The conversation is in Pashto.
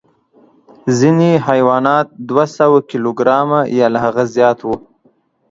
ځینې حیوانات دوه سوه کیلو ګرامه یا له هغه زیات وو.